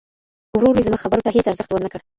ورور مې زما خبرو ته هیڅ ارزښت ورنه کړ.